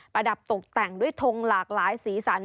ระดับตกแต่งด้วยทงหลากหลายสีสัน